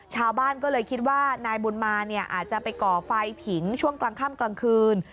ชาวบ้านก็เลยคิดว่านายบุญมาเนี่ยอาจจะไปก่อไฟผิงช่วงกลางค่ำกลางคืน